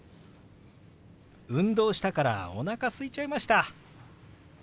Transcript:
運動したからおなかすいちゃいました。